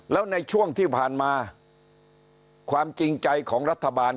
แล้วในช่วงที่ผ่านมาความจริงใจของรัฐบาล